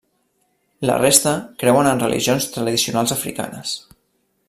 La resta creuen en religions tradicionals africanes.